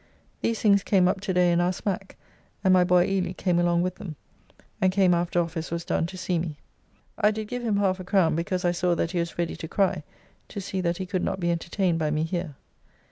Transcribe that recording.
These things came up to day in our smack, and my boy Ely came along with them, and came after office was done to see me. I did give him half a crown because I saw that he was ready to cry to see that he could not be entertained by me here.